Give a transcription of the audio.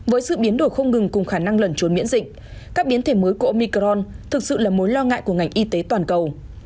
với sự biến đổi không ngừng cùng khả năng lẩn trốn miễn dịch các biến thể mới của omicron thực sự là mối lo ngại của ngành y tế toàn cầu